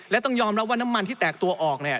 และต้องยอมรับว่าน้ำมันที่แตกตัวออก